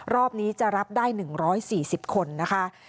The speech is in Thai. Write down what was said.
รอบนี้จะรับได้๑๔๐คนนะคะ